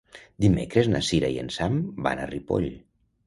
Dimecres na Cira i en Sam van a Ripoll.